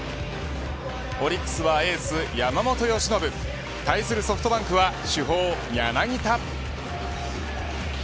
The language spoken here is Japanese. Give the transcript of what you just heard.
オリックスはエース、山本由伸。対するソフトバンクは主砲、柳田。